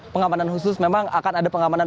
pengamanan khusus memang akan ada pengamanan